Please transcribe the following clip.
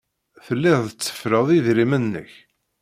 Telliḍ tetteffreḍ idrimen-nnek.